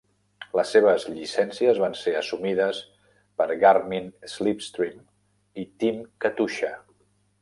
Les seves llicències van ser assumides per Garmin-Slipstream i Team Katusha.